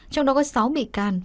trong đó có sáu bị can